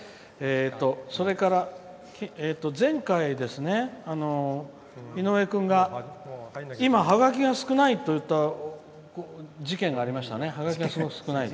前回、井上君が「今ハガキが少ない」と言った事件がありましたね。